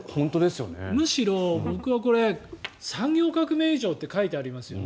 むしろ、僕はこれ産業革命以上って書いてありますよね